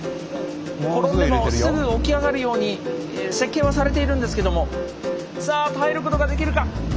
転んでもすぐ起き上がるように設計はされているんですけどもさあ耐えることができるか。